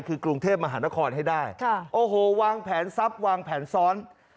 คือกรุงเทพมหานครให้ได้โอ้โหวางแผนทรัพย์วางแผนซ้อน